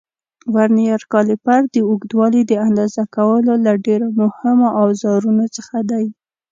ورنیر کالیپر د اوږدوالي د اندازه کولو له ډېرو مهمو اوزارونو څخه دی.